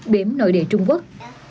biểm nội địa trung quốc